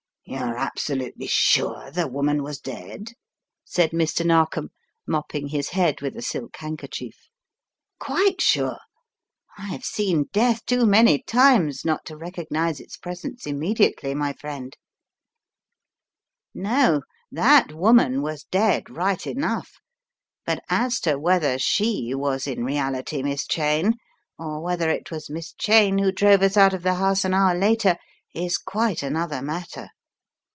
"You are absolutely sure the woman was dead?" said Mr. Narkom, mopping his head with a silk handkerchief. "Quite sure. I have seen death too many times not to recognize its presence immediately, my friend. No, that woman was dead right enough, but as to The Threads of Chance 59 whether she was in reality Miss Cheyne, or whether it was Miss Cheyne who drove us out of the house an hour later, is quite another matter.